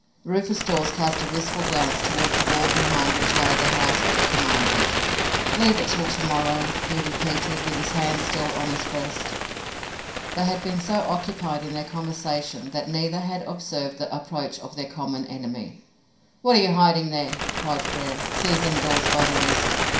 Rufus Dawes cast a wistful glance towards the wall behind which lay the house of the Commandant. "Leave it till to morrow," he repeated, with his hand still in his breast. They had been so occupied in their conversation that neither had observed the approach of their common enemy. "What are you hiding there?" cried Frere, seizing Dawes by the wrist.